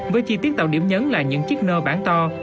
với chi tiết tạo điểm nhấn là những chiếc nơ bản to